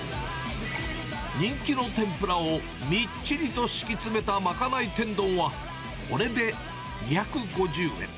人気の天ぷらをみっちりと敷き詰めたまかない天丼は、これで２５０円。